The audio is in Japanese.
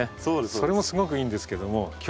それもすごくいいんですけども今日はね